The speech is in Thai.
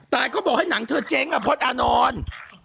แต่ก็บอกให้หนังเธอเจ๊งอ่ะพลอดอานอน